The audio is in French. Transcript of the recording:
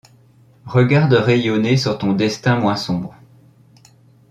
Regarde rayonner sur ton destin moins sombre